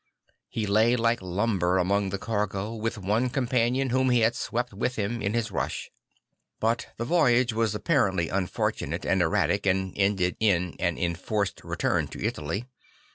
He lay like lumber among the cargo, with one companion whom he had swept with him in his rush; but the voyage was apparently unfor tuna te and erra tic and ended in an enforced return to Italy.